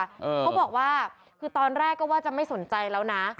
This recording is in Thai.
เขาบอกว่าคือตอนแรกก็ว่าจะไม่สนใจแล้วนะ